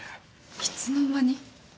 いつの間に？